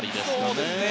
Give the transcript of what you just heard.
そうですね。